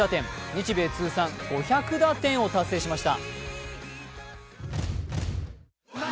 日米通算５００打点を達成しました。